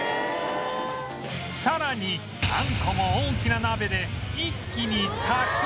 さらにあんこも大きな鍋で一気に炊く